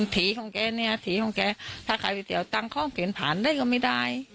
ผู้หุ่นนั้นของแกถ้าใครไปเที่ยวตังเขาก่อนผิดผ่านได้ก็ไม่ได้